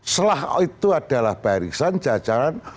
selah itu adalah barisan jajaran